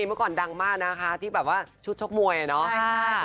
เมื่อก่อนดังมากนะคะที่แบบว่าชุดชกมวยอ่ะเนาะ